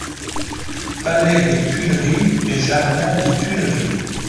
Palais des Tuileries et jardin des Tuileries.